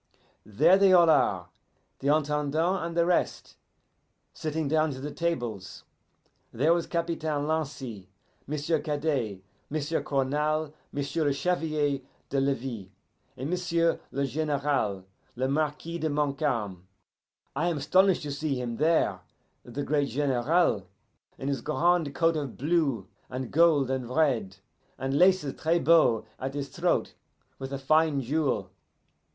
There they all are, the Intendant and the rest, sitting down to the tables. There was Capitaine Lancy, M'sieu' Cadet, M'sieu' Cournal, M'sieu' le Chevalier de Levis, and M'sieu' le Generale, le Marquis de Montcalm. I am astonish to see him there, the great General, in his grand coat of blue and gold and red, and laces tres beau at his throat, with a fine jewel.